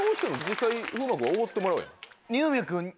実際風磨君はおごってもらうやん。